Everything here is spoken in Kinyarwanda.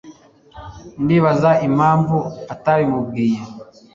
ndibaza impamvu atabimubwiye